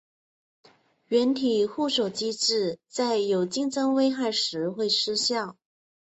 软体互锁机制在有竞争危害时会失效。